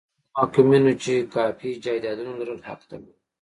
هغو محکومینو چې کافي جایدادونه لرل حق درلود.